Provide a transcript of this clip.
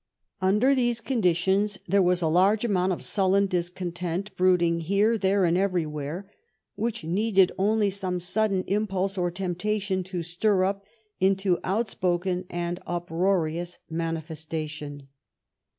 Under all these conditions there was a large amount of sullen discontent, brooding here, there, and every where, which needed only some sudden impulse or temptation to stir it up into outspoken and uproarious manifestation.